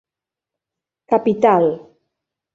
Capital